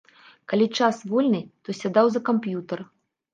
Калі час вольны, то сядаў за камп'ютар.